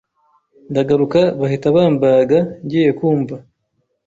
ndagaruka bahita bambaga ngiye kumva